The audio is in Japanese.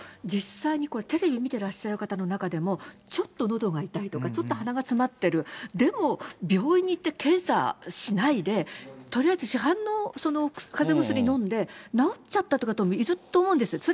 実際にこれ、テレビ見てらっしゃる方の中でも、ちょっとのどが痛いとか、ちょっと鼻が詰まってる、でも病院に行って検査しないで、とりあえず市販のかぜ薬飲んで治っちゃったっていう方もいると思うんです。